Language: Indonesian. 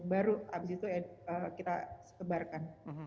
baru abis itu ya kita sebarkan